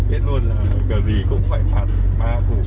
biết luôn là cờ gì cũng phải phạt ba cục